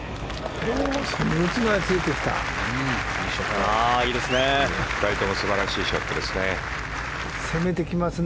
２人とも素晴らしいショットですね。